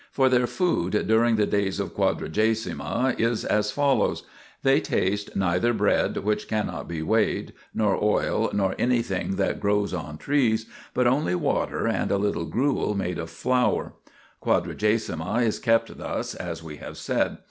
For their food during the days of Quadragesima is as follows : they taste neither bread which cannot be weighed, 1 nor oil, nor anything that grows on trees, but only water and a little gruel made of flour. Quadragesima is kept thus, as we have said.